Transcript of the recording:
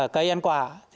cây ăn quả